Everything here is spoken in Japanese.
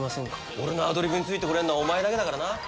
「俺のアドリブについてこれんのはお前だけだからな」